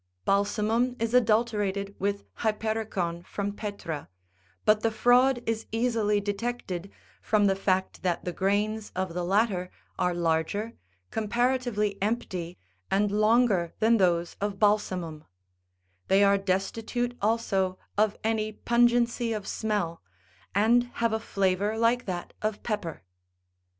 Balsamum is adulterated with hypericin78' from Petra, but the fraud is easily detected, from the fact that the grains of the latter are larger, comparatively empty, and longer than those of balsamum ; they are destitute also of any pungency of smell, and have a flavour like that of pepper.